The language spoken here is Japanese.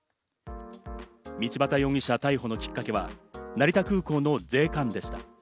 道端容疑者逮捕のきっかけは成田空港の税関でした。